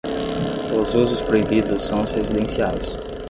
Os usos proibidos são os residenciais.